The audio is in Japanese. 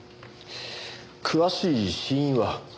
詳しい死因は？